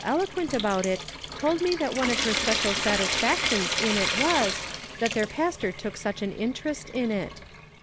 263 eloquent about it told me that one of her special satisfactions in it was, that their pastor took such an interest in it.